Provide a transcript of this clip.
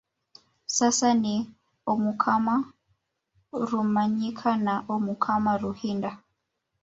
Sasa ni omukama Rumanyika na omukama Ruhinda